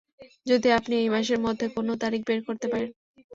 যদি আপনি এই মাসের মধ্যে কোন তারিখ বের করতে পারেন?